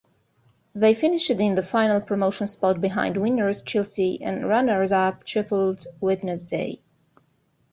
They finished in the final promotion spot behind winners Chelsea and runners-up Sheffield Wednesday.